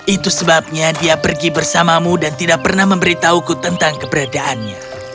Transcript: itu sebabnya dia pergi bersamamu dan tidak pernah memberitahuku tentang keberadaannya